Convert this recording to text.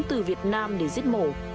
từ việt nam để giết mổ